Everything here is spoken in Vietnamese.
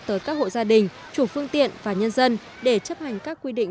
tới các hộ gia đình chủ phương tiện và nhân dân để chấp hành các quy định